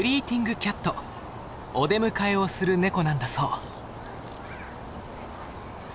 キャットお出迎えをするネコなんだそう。